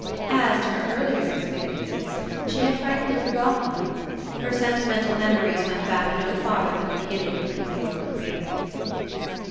As to her earlier experiences, she had frankly forgotten them: her sentimental memories went back no farther than the beginning of her New York career.